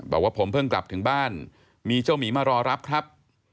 บอกว่าผมเพิ่งกลับถึงบ้านมีเจ้าหมีมารอรับครับ